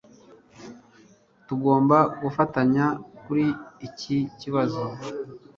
Tugomba gufatanya kuri iki kibazo